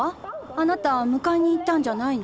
あなたむかえに行ったんじゃないの？